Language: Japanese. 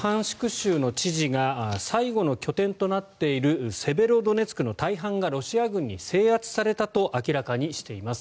州の知事が最後の拠点となっているセベロドネツクの大半がロシア軍に制圧されたと明らかにしています。